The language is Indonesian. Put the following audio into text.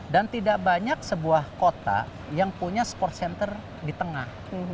dan tidak banyak sebuah kota yang punya sports center di tengah